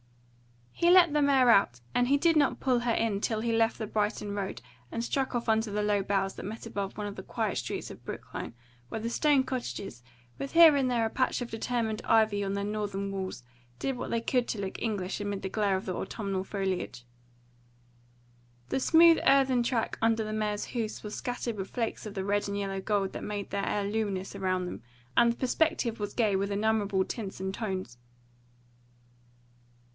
He let the mare out, and he did not pull her in till he left the Brighton road and struck off under the low boughs that met above one of the quiet streets of Brookline, where the stone cottages, with here and there a patch of determined ivy on their northern walls, did what they could to look English amid the glare of the autumnal foliage. The smooth earthen track under the mare's hoofs was scattered with flakes of the red and yellow gold that made the air luminous around them, and the perspective was gay with innumerable tints and tones.